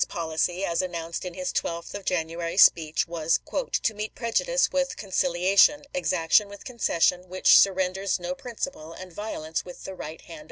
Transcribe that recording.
Seward's policy, as announced in his 12th of January speech, was " to meet prejudice with con seenate' ciliation, exaction with concession which surren jan^2,ci86i. ders no principle, and violence with the right hand p.